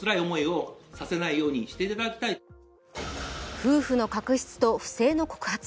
夫婦の確執と不正の告発。